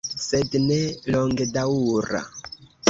Sed ne longedaŭra!